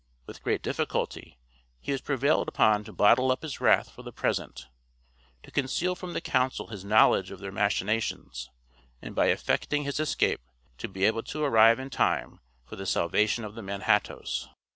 With great difficulty he was prevailed upon to bottle up his wrath for the present; to conceal from the council his knowledge of their machinations; and by effecting his escape, to be able to arrive in time for the salvation of the Manhattoes.